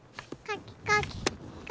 かきかき。